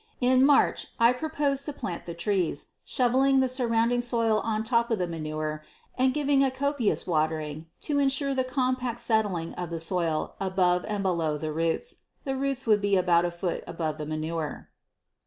In March I propose to plant the trees, shoveling the surrounding soil on top of the manure and giving a copious watering to ensure the compact settling of the soil about and below the roots. The roots would be about a foot above the manure.